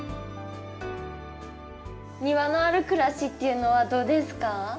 庭のある暮らしっていうのはどうですか？